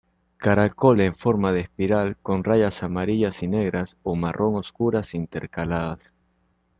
Caracol en forma de espiral con rayas amarillas y negras o marrón oscuras intercaladas.